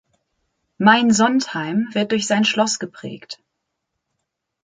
Mainsondheim wird durch sein Schloss geprägt.